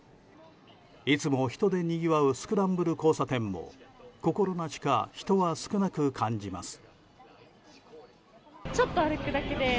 いつも人でにぎわうスクランブル交差点も心なしか人は少なく感じます。